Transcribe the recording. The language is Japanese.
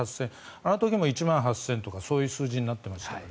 あの時も１万８０００人とかそういう数字になっていますから。